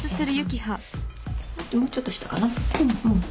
もうちょっと下かな。